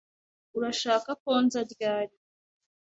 Urashaka ko nza ryari?